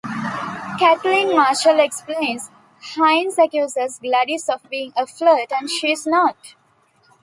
Kathleen Marshall explains: Hines accuses Gladys of being a flirt, and she's not.